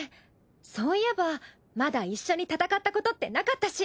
そういえばまだ一緒に戦ったことってなかったし。